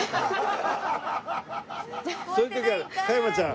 そういう時は加山ちゃん。